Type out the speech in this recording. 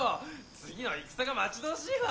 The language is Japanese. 次の戦が待ち遠しいわ！